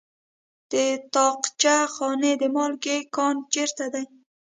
د طاقچه خانې د مالګې کان چیرته دی؟